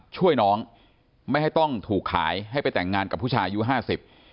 ช่วยน้องไม่ให้ต้องถูกขายให้ไปแต่งงานกับผู้ชายอายุห้าสิบ